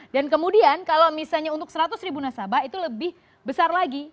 dan kemudian kalau misalnya untuk seratus ribu nasabah itu lebih besar lagi